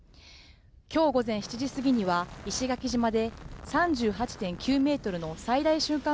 今日午前７時過ぎには石垣島で３８．９メートルの最大瞬間